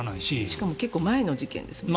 しかも結構前の事件ですしね。